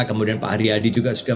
kemudian pak hari adi juga sudah